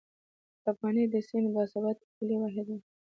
افغانۍ د سیمې باثباته پولي واحد و.